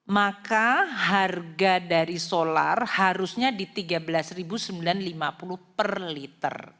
maka harga dari solar harusnya di rp tiga belas sembilan ratus lima puluh per liter